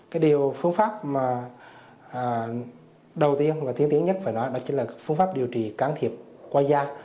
cái điều phương pháp mà đầu tiên và tiên tiến nhất phải nói đó chính là phương pháp điều trị can thiệp qua da